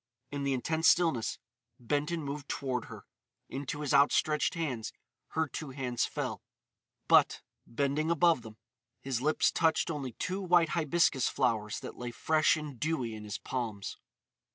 In the intense stillness Benton moved toward her. Into his outstretched hands her two hands fell; but, bending above them, his lips touched only two white hibiscus flowers that lay fresh and dewy in his palms.